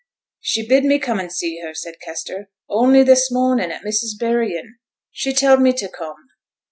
'She bid me come and see her,' said Kester. 'Only this mornin', at missus' buryin', she telled me to come.'